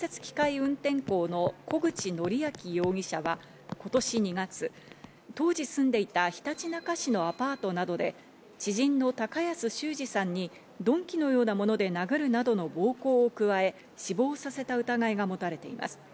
運転工の小口憲昭容疑者は今年２月、当時住んでいたひたちなか市のアパートなどで知人の高安秀次さんに鈍器のようなもので殴るなどの暴行を加え、死亡させた疑いが持たれています。